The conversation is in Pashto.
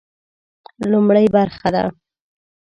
لومړۍ برخه ده.